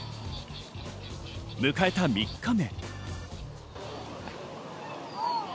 迎えた３日目。